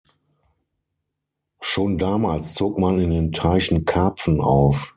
Schon damals zog man in den Teichen Karpfen auf.